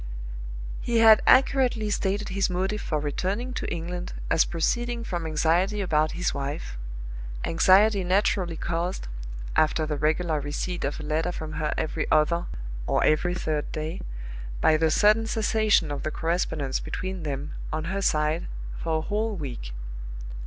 He had accurately stated his motive for returning to England as proceeding from anxiety about his wife anxiety naturally caused (after the regular receipt of a letter from her every other, or every third day) by the sudden cessation of the correspondence between them on her side for a whole week.